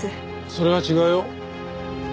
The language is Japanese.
それは違うよ。